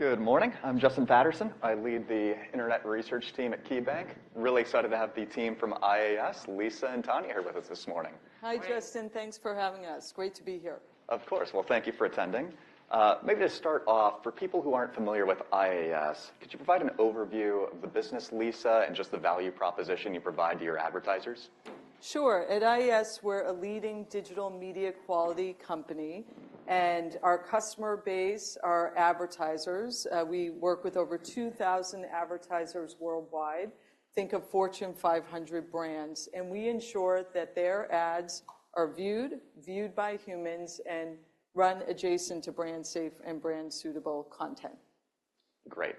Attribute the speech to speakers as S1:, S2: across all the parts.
S1: Good morning, I'm Justin Patterson. I lead the Internet Research Team at KeyBanc. Really excited to have the team from IAS, Lisa and Tania, here with us this morning.
S2: Hi, Justin. Thanks for having us. Great to be here.
S1: Of course. Well, thank you for attending. Maybe to start off, for people who aren't familiar with IAS, could you provide an overview of the business, Lisa, and just the value proposition you provide to your advertisers?
S2: Sure. At IAS, we're a leading digital media quality company, and our customer base are advertisers. We work with over 2,000 advertisers worldwide. Think of Fortune 500 brands, and we ensure that their ads are viewed, viewed by humans, and run adjacent to brand-safe and brand-suitable content.
S1: Great.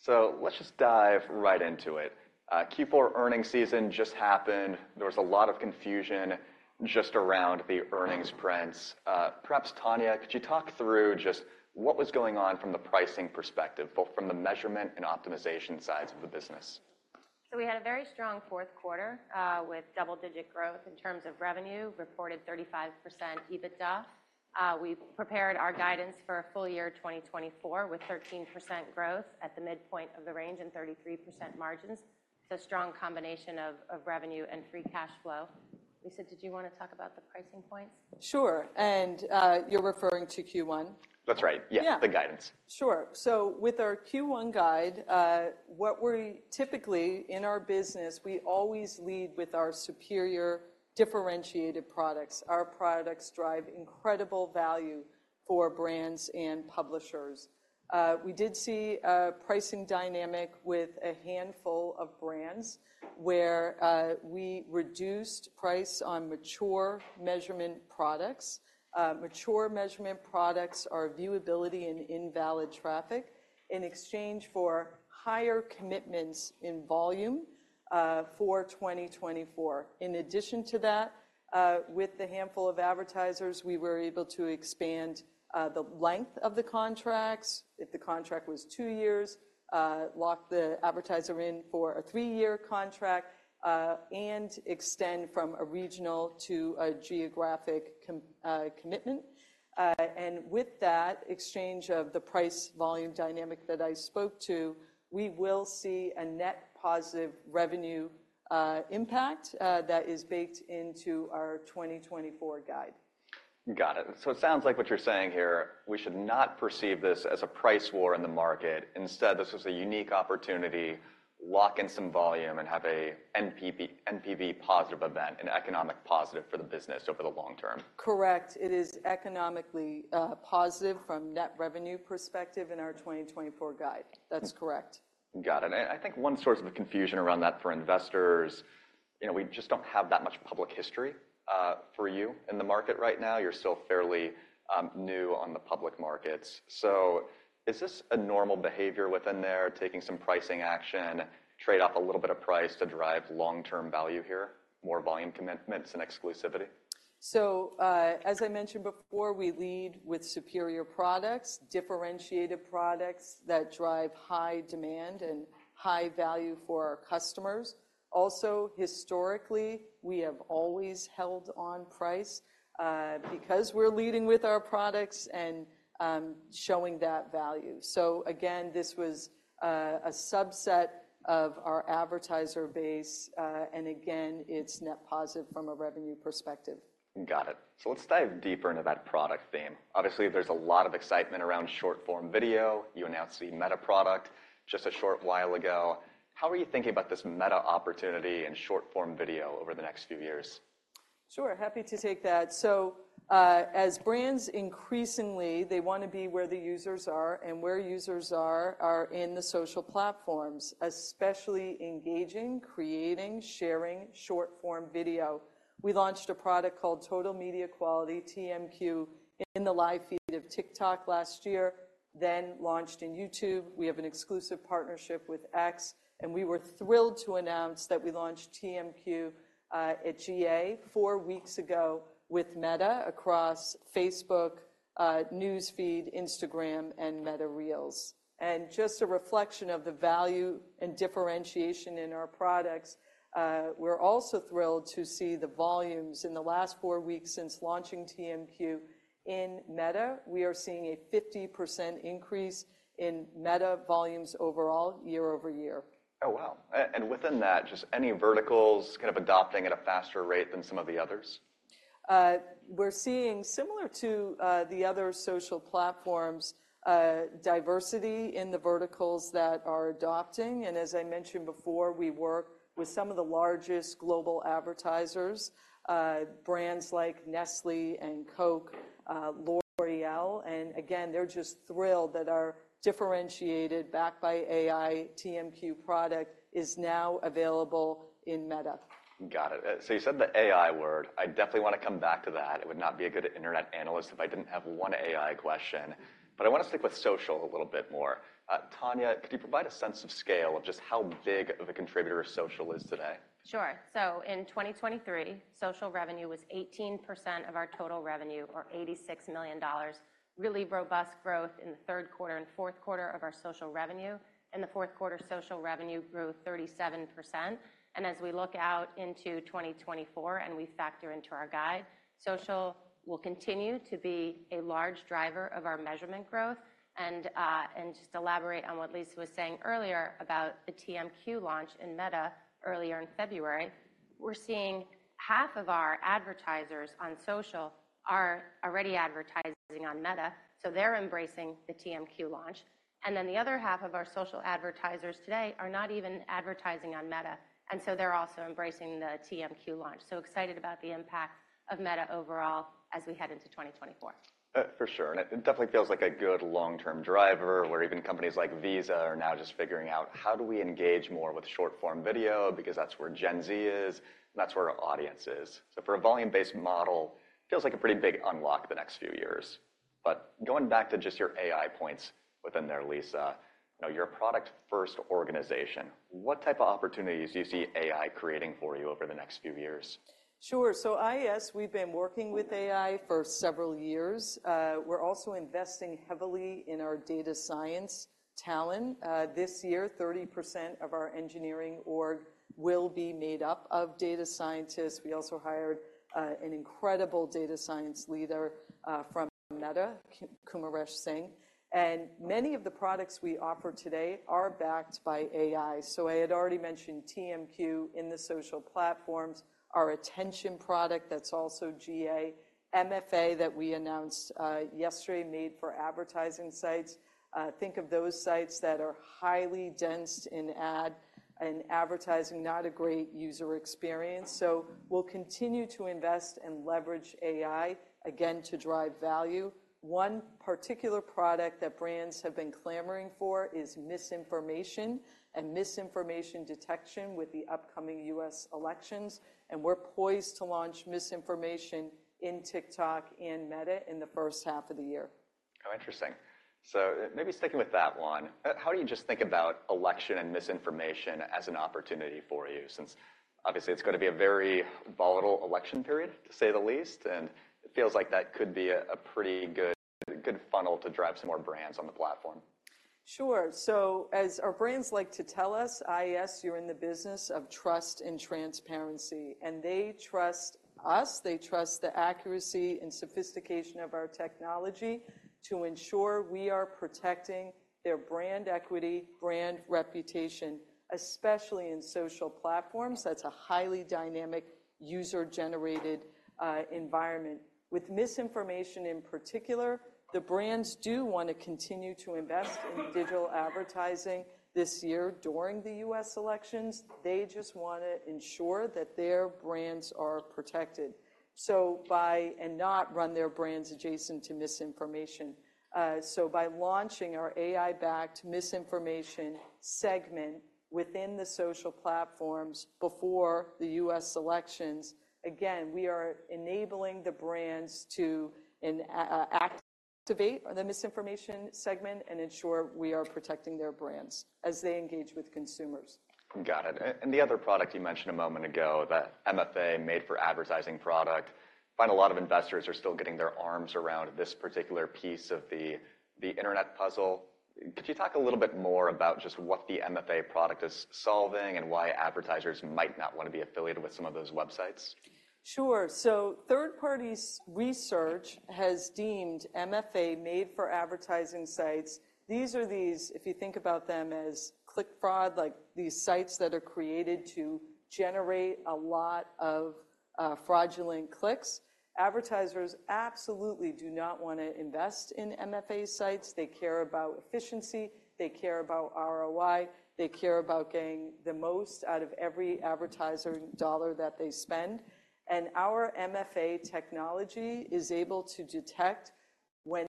S1: So let's just dive right into it. Q4 earnings season just happened. There was a lot of confusion just around the earnings prints. Perhaps Tania, could you talk through just what was going on from the pricing perspective, both from the measurement and optimization sides of the business?
S3: So we had a very strong fourth quarter with double-digit growth in terms of revenue, reported 35% EBITDA. We've prepared our guidance for a full year 2024, with 13% growth at the midpoint of the range and 33% margins. It's a strong combination of revenue and free cash flow. Lisa, did you want to talk about the pricing points?
S2: Sure, and, you're referring to Q1?
S1: That's right.
S2: Yeah.
S1: The guidance.
S2: Sure. So with our Q1 guide, typically, in our business, we always lead with our superior, differentiated products. Our products drive incredible value for brands and publishers. We did see a pricing dynamic with a handful of brands where we reduced price on mature measurement products. Mature measurement products are viewability and invalid traffic, in exchange for higher commitments in volume for 2024. In addition to that, with the handful of advertisers, we were able to expand the length of the contracts. If the contract was two years, lock the advertiser in for a three-year contract, and extend from a regional to a geographic commitment. And with that exchange of the price-volume dynamic that I spoke to, we will see a net positive revenue impact that is baked into our 2024 guide.
S1: Got it. So it sounds like what you're saying here, we should not perceive this as a price war in the market. Instead, this was a unique opportunity, lock in some volume, and have an NPV positive event, an economic positive for the business over the long term.
S2: Correct. It is economically, positive from net revenue perspective in our 2024 guide. That's correct.
S1: Got it. I think one source of the confusion around that for investors, you know, we just don't have that much public history for you in the market right now. You're still fairly new on the public markets. Is this a normal behavior within there, taking some pricing action, trade off a little bit of price to drive long-term value here, more volume commitments and exclusivity?
S2: So, as I mentioned before, we lead with superior products, differentiated products that drive high demand and high value for our customers. Also, historically, we have always held on price, because we're leading with our products and, showing that value. So again, this was a subset of our advertiser base, and again, it's net positive from a revenue perspective.
S1: Got it. So let's dive deeper into that product theme. Obviously, there's a lot of excitement around short-form video. You announced the Meta product just a short while ago. How are you thinking about this Meta opportunity and short-form video over the next few years?
S2: Sure, happy to take that. So, as brands, increasingly, they want to be where the users are, and where users are, are in the social platforms, especially engaging, creating, sharing short-form video. We launched a product called Total Media Quality, TMQ, in the live feed of TikTok last year, then launched in YouTube. We have an exclusive partnership with X, and we were thrilled to announce that we launched TMQ, at GA four weeks ago with Meta across Facebook, News Feed, Instagram, and Meta Reels. And just a reflection of the value and differentiation in our products, we're also thrilled to see the volumes. In the last four weeks since launching TMQ in Meta, we are seeing a 50% increase in Meta volumes overall, year-over-year.
S1: Oh, wow. And within that, just any verticals kind of adopting at a faster rate than some of the others?
S2: We're seeing, similar to the other social platforms, diversity in the verticals that are adopting. And as I mentioned before, we work with some of the largest global advertisers, brands like Nestlé and Coke, L'Oréal. And again, they're just thrilled that our differentiated, backed by AI, TMQ product is now available in Meta.
S1: Got it. So you said the AI word. I definitely want to come back to that. I would not be a good internet analyst if I didn't have one AI question, but I want to stick with social a little bit more. Tania, could you provide a sense of scale of just how big of a contributor social is today?...
S3: Sure. So in 2023, social revenue was 18% of our total revenue, or $86 million. Really robust growth in the third quarter and fourth quarter of our social revenue. In the fourth quarter, social revenue grew 37%. And as we look out into 2024 and we factor into our guide, social will continue to be a large driver of our measurement growth. And, and just to elaborate on what Lisa was saying earlier about the TMQ launch in Meta earlier in February, we're seeing half of our advertisers on social are already advertising on Meta, so they're embracing the TMQ launch. And then the other half of our social advertisers today are not even advertising on Meta, and so they're also embracing the TMQ launch. So excited about the impact of Meta overall as we head into 2024.
S1: For sure, and it definitely feels like a good long-term driver, where even companies like Visa are now just figuring out, how do we engage more with short-form video? Because that's where Gen Z is, and that's where our audience is. So for a volume-based model, feels like a pretty big unlock the next few years. But going back to just your AI points within there, Lisa, you know, you're a product-first organization. What type of opportunities do you see AI creating for you over the next few years?
S2: Sure. So at IAS, we've been working with AI for several years. We're also investing heavily in our data science talent. This year, 30% of our engineering org will be made up of data scientists. We also hired an incredible data science leader from Meta, Kumaresh Singh, and many of the products we offer today are backed by AI. So I had already mentioned TMQ in the social platforms, our attention product that's also GA, MFA that we announced yesterday, Made For Advertising sites. Think of those sites that are highly dense in advertising, not a great user experience. So we'll continue to invest and leverage AI, again, to drive value. One particular product that brands have been clamoring for is misinformation and misinformation detection with the upcoming U.S. elections, and we're poised to launch misinformation in TikTok and Meta in the first half of the year.
S1: Oh, interesting. So maybe sticking with that one, how do you just think about election and misinformation as an opportunity for you? Since obviously it's gonna be a very volatile election period, to say the least, and it feels like that could be a pretty good funnel to drive some more brands on the platform.
S2: Sure. So as our brands like to tell us, "IAS, you're in the business of trust and transparency." And they trust us. They trust the accuracy and sophistication of our technology to ensure we are protecting their brand equity, brand reputation, especially in social platforms. That's a highly dynamic, user-generated environment. With misinformation, in particular, the brands do want to continue to invest in digital advertising this year during the U.S. elections. They just want to ensure that their brands are protected, so and not run their brands adjacent to misinformation. So by launching our AI-backed misinformation segment within the social platforms before the U.S. elections, again, we are enabling the brands to activate the misinformation segment and ensure we are protecting their brands as they engage with consumers.
S1: Got it. And the other product you mentioned a moment ago, The MFA, Made for Advertising product, find a lot of investors are still getting their arms around this particular piece of the internet puzzle. Could you talk a little bit more about just what The MFA product is solving and why advertisers might not want to be affiliated with some of those websites?
S2: Sure. So third-party research has deemed MFA, Made for Advertising sites, these are these, if you think about them as click fraud, like these sites that are created to generate a lot of fraudulent clicks. Advertisers absolutely do not want to invest in MFA sites. They care about efficiency, they care about ROI, they care about getting the most out of every advertiser dollar that they spend. And our MFA technology is able to detect when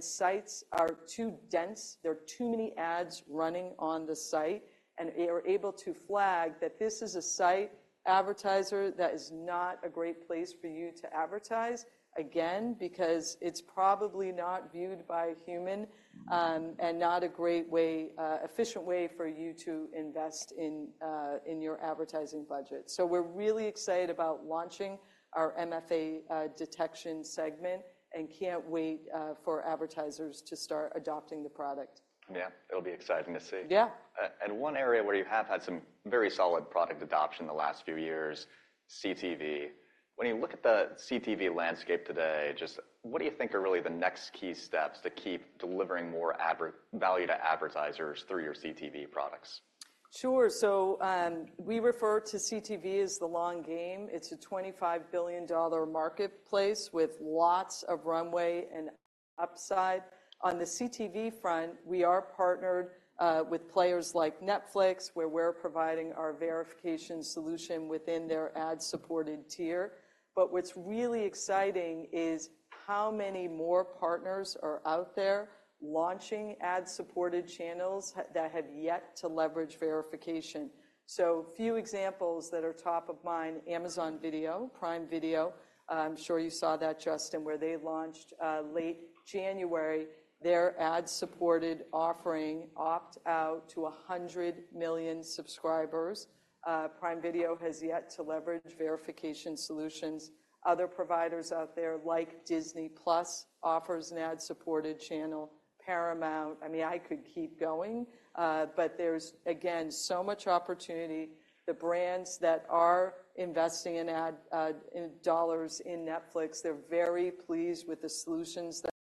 S2: sites are too dense, there are too many ads running on the site, and we are able to flag that this is a site advertiser that is not a great place for you to advertise, again, because it's probably not viewed by a human, and not a great way, efficient way for you to invest in, in your advertising budget. So we're really excited about launching our MFA Detection segment and can't wait for advertisers to start adopting the product.
S1: Yeah, it'll be exciting to see.
S2: Yeah.
S1: One area where you have had some very solid product adoption in the last few years, CTV. When you look at the CTV landscape today, just what do you think are really the next key steps to keep delivering more advertiser value to advertisers through your CTV products?
S2: Sure. So, we refer to CTV as the long game. It's a $25 billion marketplace with lots of runway and upside. On the CTV front, we are partnered with players like Netflix, where we're providing our verification solution within their ad-supported tier. But what's really exciting is how many more partners are out there launching ad-supported channels that have yet to leverage verification. So a few examples that are top of mind, Amazon Video, Prime Video. I'm sure you saw that, Justin, where they launched late January, their ad-supported offering opt-out to 100 million subscribers. Prime Video has yet to leverage verification solutions. Other providers out there, like Disney+, offers an ad-supported channel, Paramount... I mean, I could keep going, but there's, again, so much opportunity. The brands that are investing in ad dollars in Netflix, they're very pleased with the solutions that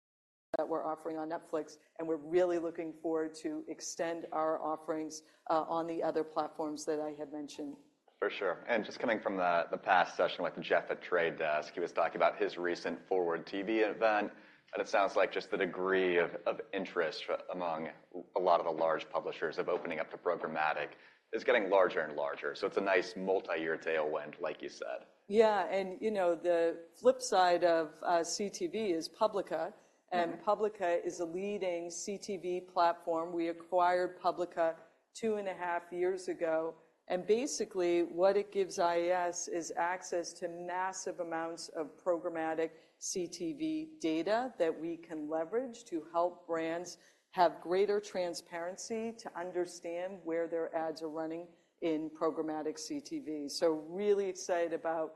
S2: we're offering on Netflix, and we're really looking forward to extend our offerings on the other platforms that I had mentioned.
S1: For sure. And just coming from the past session with Jeff at The Trade Desk, he was talking about his recent Forward TV event, and it sounds like just the degree of interest among a lot of the large publishers of opening up to programmatic is getting larger and larger. So it's a nice multi-year tailwind, like you said.
S2: Yeah, and, you know, the flip side of CTV is Publica, and Publica is a leading CTV platform. We acquired Publica two and a half years ago, and basically, what it gives IAS is access to massive amounts of programmatic CTV data that we can leverage to help brands have greater transparency to understand where their ads are running in programmatic CTV. So really excited about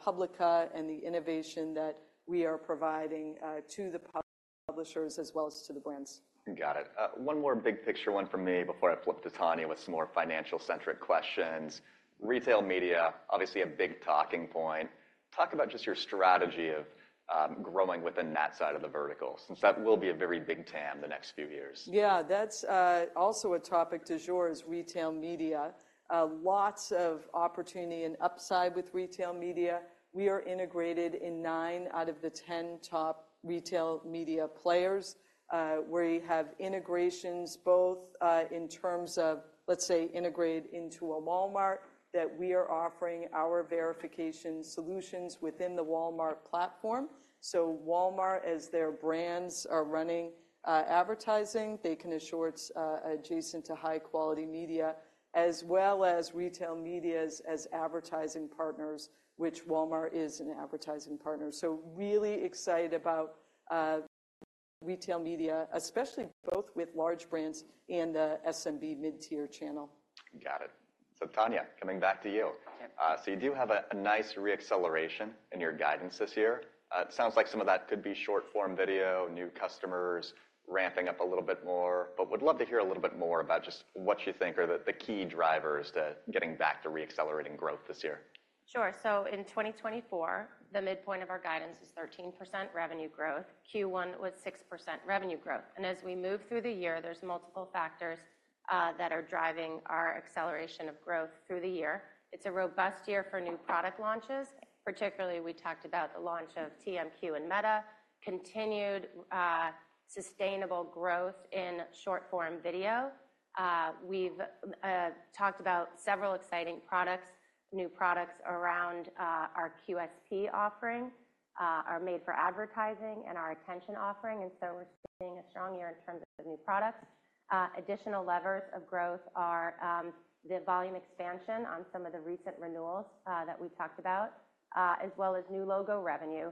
S2: Publica and the innovation that we are providing to the publishers as well as to the brands.
S1: Got it. One more big picture, one from me before I flip to Tania with some more financial-centric questions. Retail media, obviously a big talking point. Talk about just your strategy of growing within that side of the vertical, since that will be a very big TAM the next few years.
S2: Yeah, that's also a topic du jour is retail media. Lots of opportunity and upside with retail media. We are integrated in nine out of the 10 top retail media players, where you have integrations both, in terms of, let's say, integrated into a Walmart, that we are offering our verification solutions within the Walmart platform. So Walmart, as their brands are running, advertising, they can assure it's adjacent to high-quality media, as well as retail medias as advertising partners, which Walmart is an advertising partner. So really excited about, retail media, especially both with large brands and, SMB mid-tier channel.
S1: Got it. So, Tania, coming back to you.
S3: Okay.
S1: You do have a nice reacceleration in your guidance this year. It sounds like some of that could be short-form video, new customers ramping up a little bit more, but would love to hear a little bit more about just what you think are the key drivers to getting back to reaccelerating growth this year.
S3: Sure. So in 2024, the midpoint of our guidance is 13% revenue growth. Q1 was 6% revenue growth. And as we move through the year, there's multiple factors that are driving our acceleration of growth through the year. It's a robust year for new product launches. Particularly, we talked about the launch of TMQ and Meta, continued sustainable growth in short-form video. We've talked about several exciting products, new products around our MFA offering, are made for advertising and our attention offering, and so we're seeing a strong year in terms of new products. Additional levers of growth are the volume expansion on some of the recent renewals that we talked about as well as new logo revenue.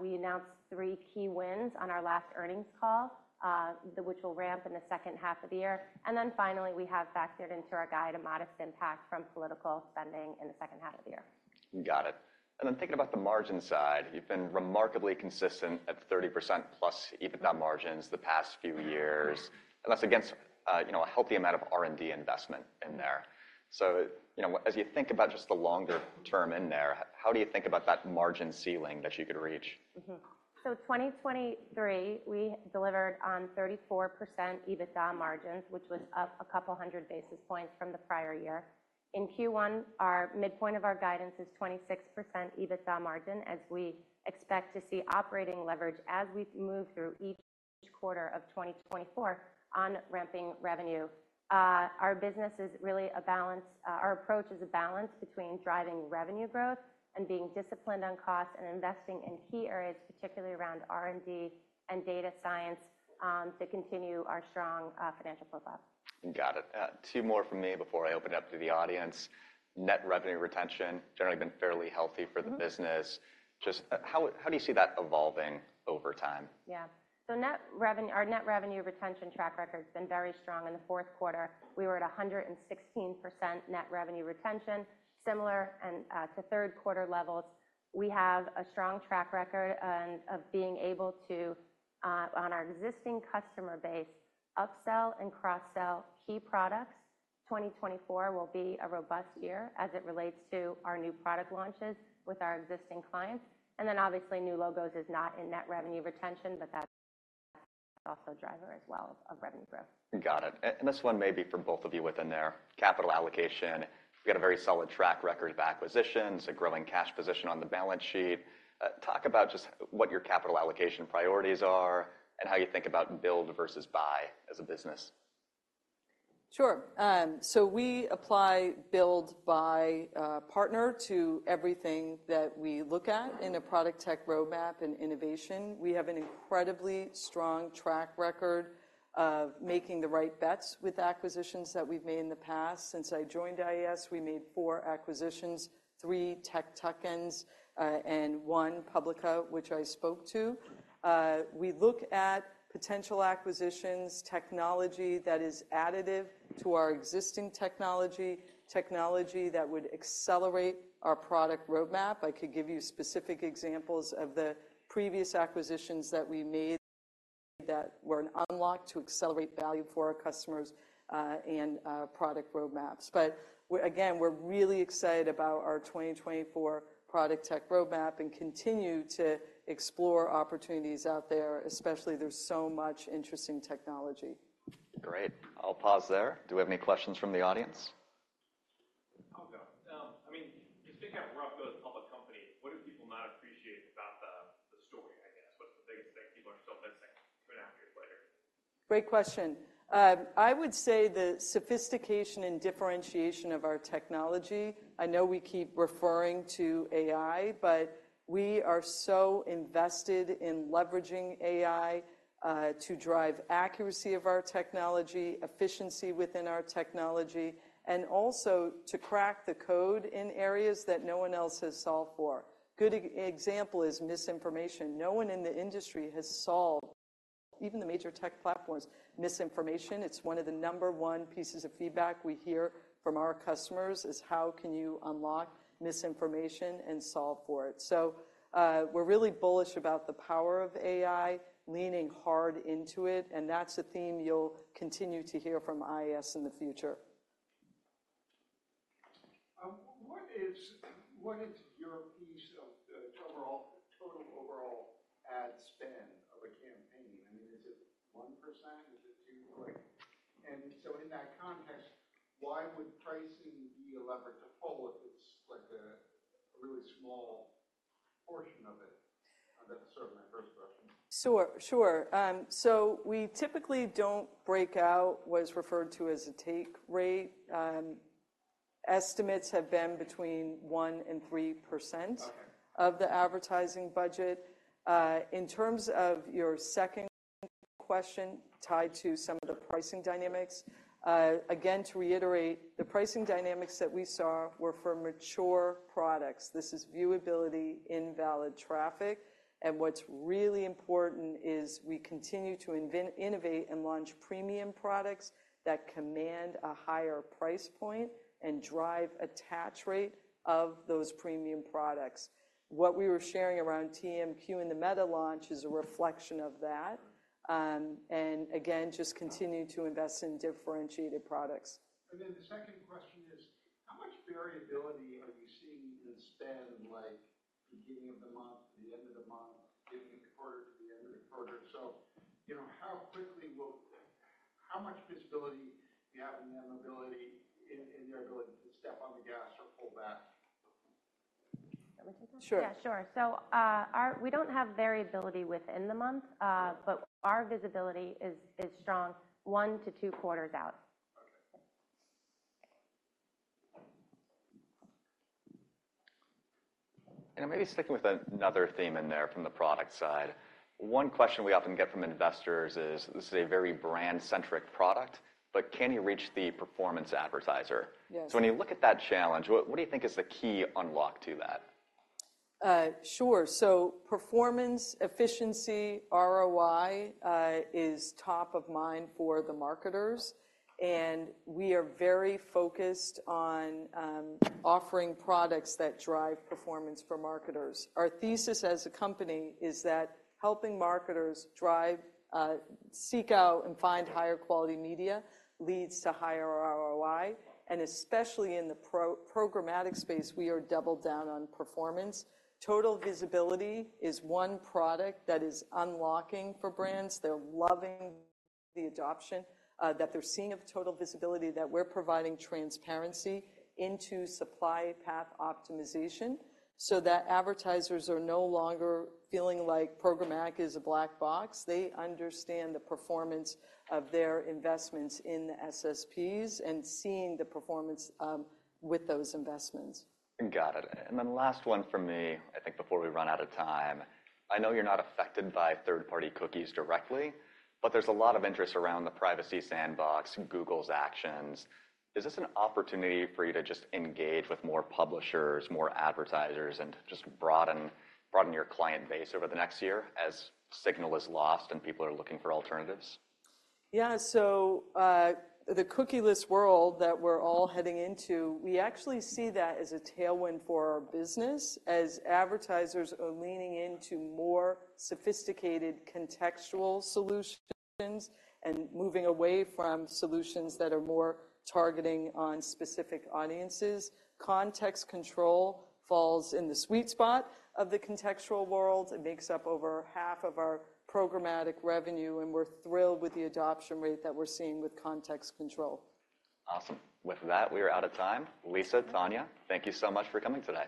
S3: We announced three key wins on our last earnings call, the which will ramp in the second half of the year. And then finally, we have factored into our guide a modest impact from political spending in the second half of the year.
S1: Got it. And then thinking about the margin side, you've been remarkably consistent at 30%+ EBITDA margins the past few years, and that's against, you know, a healthy amount of R&D investment in there. So, you know, as you think about just the longer term in there, how do you think about that margin ceiling that you could reach?
S3: 2023, we delivered on 34% EBITDA margins, which was up a couple of hundred basis points from the prior year. In Q1, our midpoint of our guidance is 26% EBITDA margin, as we expect to see operating leverage as we move through each quarter of 2024 on ramping revenue. Our approach is a balance between driving revenue growth and being disciplined on costs and investing in key areas, particularly around R&D and data science, to continue our strong financial profile.
S1: Got it. Two more from me before I open it up to the audience. Net revenue retention generally been fairly healthy for the business.
S3: Mm-hmm.
S1: Just, how do you see that evolving over time?
S3: Yeah. So net revenue, our net revenue retention track record has been very strong. In the fourth quarter, we were at 116% net revenue retention, similar to third-quarter levels. We have a strong track record of being able to, on our existing customer base, upsell and cross-sell key products. 2024 will be a robust year as it relates to our new product launches with our existing clients. And then obviously, new logos is not in net revenue retention, but that's also a driver as well of revenue growth.
S1: Got it. And this one may be for both of you within there. Capital allocation. We've got a very solid track record of acquisitions, a growing cash position on the balance sheet. Talk about just what your capital allocation priorities are and how you think about build versus buy as a business.
S2: Sure. So we apply build, buy, or partner to everything that we look at in a product tech roadmap and innovation. We have an incredibly strong track record of making the right bets with acquisitions that we've made in the past. Since I joined IAS, we made four acquisitions, three tech tuck-ins, and one Publica, which I spoke to. We look at potential acquisitions, technology that is additive to our existing technology, technology that would accelerate our product roadmap. I could give you specific examples of the previous acquisitions that we made that were an unlock to accelerate value for our customers, and product roadmaps. But we're, again, we're really excited about our 2024 product tech roadmap and continue to explore opportunities out there, especially there's so much interesting technology.
S1: Great. I'll pause there. Do we have any questions from the audience?
S4: I'll go. I mean, just thinking of us as a public company, what do people not appreciate about the story, I guess? What's the things that people are still missing but after a quarter?
S2: Great question. I would say the sophistication and differentiation of our technology. I know we keep referring to AI, but we are so invested in leveraging AI to drive accuracy of our technology, efficiency within our technology, and also to crack the code in areas that no one else has solved for. Good example is misinformation. No one in the industry has solved, even the major tech platforms, misinformation. It's one of the number one pieces of feedback we hear from our customers, is how can you unlock misinformation and solve for it? So, we're really bullish about the power of AI, leaning hard into it, and that's a theme you'll continue to hear from IAS in the future. What is, what is your piece of the overall, total overall ad spend of a campaign? I mean, is it 1%, is it 2%? And so in that context, why would pricing be a lever to pull if it's like a really small portion of it? That's sort of my first question. Sure, sure. So we typically don't break out what is referred to as a take rate. Estimates have been between 1% and 3%. Okay... of the advertising budget. In terms of your second question, tied to some of the pricing dynamics, again, to reiterate, the pricing dynamics that we saw were for mature products. This is viewability, invalid traffic, and what's really important is we continue to innovate and launch premium products that command a higher price point and drive attach rate of those premium products. What we were sharing around TMQ and the Meta launch is a reflection of that, and again, just continue to invest in differentiated products.
S4: The second question is: how much variability are you seeing in spend, like, beginning of the month to the end of the month, beginning of the quarter to the end of the quarter? So, you know, how much visibility do you have in the ability to step on the gas or pull back?
S3: Can I take that?
S2: Sure.
S3: Yeah, sure. So, we don't have variability within the month, but our visibility is strong one to two quarters out.
S4: Okay.
S1: Maybe sticking with another theme in there from the product side. One question we often get from investors is: this is a very brand-centric product, but can you reach the performance advertiser?
S2: Yes.
S1: When you look at that challenge, what, what do you think is the key unlock to that?
S2: Sure. So performance, efficiency, ROI is top of mind for the marketers, and we are very focused on offering products that drive performance for marketers. Our thesis as a company is that helping marketers drive, seek out, and find higher quality media leads to higher ROI, and especially in the programmatic space, we are doubled down on performance. Total Visibility is one product that is unlocking for brands. They're loving the adoption that they're seeing of Total Visibility, that we're providing transparency into supply path optimization so that advertisers are no longer feeling like programmatic is a black box. They understand the performance of their investments in the SSPs and seeing the performance with those investments.
S1: Got it. And then last one from me, I think before we run out of time. I know you're not affected by third-party cookies directly, but there's a lot of interest around the Privacy Sandbox, Google's actions. Is this an opportunity for you to just engage with more publishers, more advertisers, and just broaden, broaden your client base over the next year as signal is lost and people are looking for alternatives?
S2: Yeah. So, the cookie-less world that we're all heading into, we actually see that as a tailwind for our business, as advertisers are leaning into more sophisticated contextual solutions and moving away from solutions that are more targeting on specific audiences. Context Control falls in the sweet spot of the contextual world. It makes up over half of our programmatic revenue, and we're thrilled with the adoption rate that we're seeing with Context Control.
S1: Awesome. With that, we are out of time. Lisa, Tania, thank you so much for coming today.